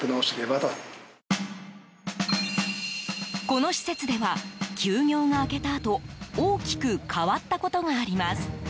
この施設では休業が明けたあと大きく変わったことがあります。